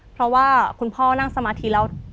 เพราะว่าคุณพ่อนั่งสมาธิแล้ว